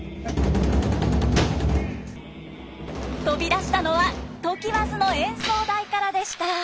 飛び出したのは常磐津の演奏台からでした。